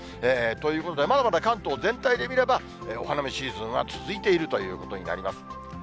ということで、まだまだ関東全体で見れば、お花見シーズンは続いているということになります。